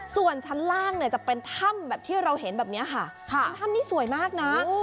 ส่วนชั้นล่างเนี่ยจะเป็นถ้ำแบบที่เราเห็นแบบนี้ค่ะเป็นถ้ำนี้สวยมากนะ